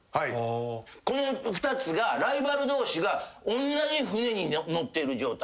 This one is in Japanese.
この２つがライバル同士がおんなじ舟に乗ってる状態。